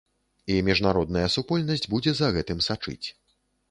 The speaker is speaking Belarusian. І міжнародная супольнасць будзе за гэтым сачыць.